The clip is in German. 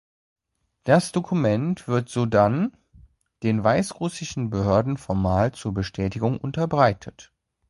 Das Dokument wird sodann den weißrussischen Behörden formal zur Bestätigung unterbreitet.